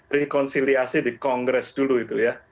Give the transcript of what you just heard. rekonsiliasi di kongres dulu itu ya